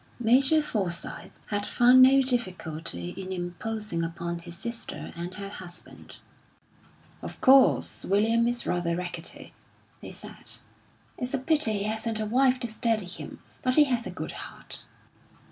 Major Forsyth had found no difficulty in imposing upon his sister and her husband. "Of course, William is rather rackety," they said. "It's a pity he hasn't a wife to steady him; but he has a good heart."